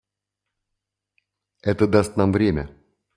Это даст нам время.